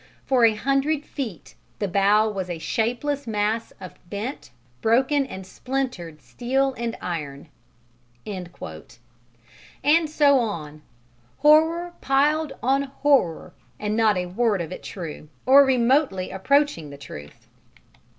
For a hundred feet the bow was a shapeless mass of bent, broken and splintered steel and iron." And so on, horror piled on horror, and not a word of it true, or remotely approaching the truth.